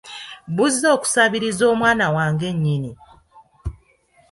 Buzze okusabiriza omwana wange nnyini!